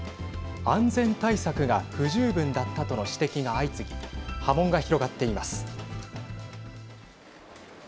安全対策が不十分だったとの指摘が相次ぎ波紋が広がっています。